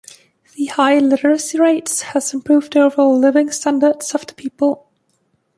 The high literacy rate has improved the overall living standards of the people.